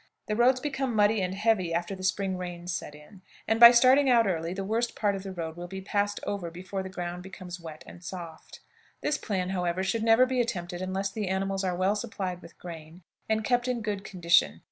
The roads become muddy and heavy after the spring rains set in, and by starting out early the worst part of the road will be passed over before the ground becomes wet and soft. This plan, however, should never be attempted unless the animals are well supplied with grain, and kept in good condition.